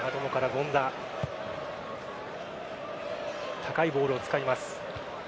高いボールを使います。